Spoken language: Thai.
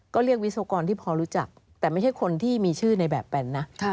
ก็เรียกวิศวกรที่พอรู้จักแต่ไม่ใช่คนที่มีชื่อในแบบแปนนะ